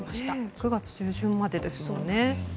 ９月中旬までですもんね。